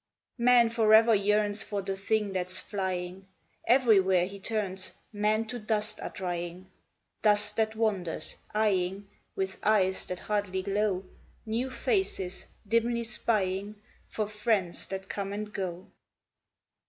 Man forever yearns For the thing that's flying. Everywhere he turns, Men to dust are drying, Dust that wanders, eying (With eyes that hardly glow) New faces, dimly spying For friends that come and go.